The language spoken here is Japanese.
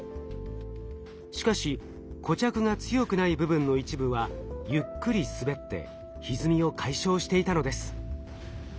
しかし固着が強くない部分の一部はゆっくりすべってひずみを解消していたのです。